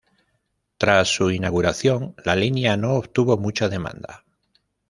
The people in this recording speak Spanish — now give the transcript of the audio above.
Tras su inauguración, la línea no obtuvo mucha demanda.